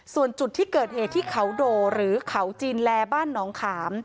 ส่วนจุดที่เกิดเหตุที่เขาโดหรือเขาจีนแลบ้านน้องขาม